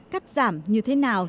cắt giảm như thế nào